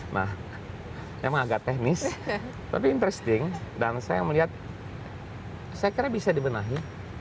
nah memang agak teknis tapi interesting dan saya melihat saya kira bisa dibenahi